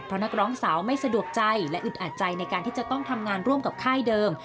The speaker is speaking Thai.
เพราะนักร้องสาวไม่สะดวกใจและอึดอัดใจในการที่จะต้องทำงานร่วมกับค่ายเดิม